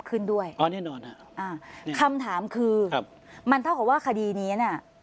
ขึ้นด้วยอ๋อแน่นอนอ่ะอ่าคำถามคือครับมันเท่ากับว่าคดีนี้เนี้ย